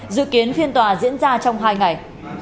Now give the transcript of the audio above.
dự kiến phiên tòa diễn ra trong hai ngày